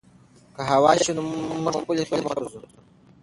که هوا یخه شي نو موږ خپلو خیمو ته ځو.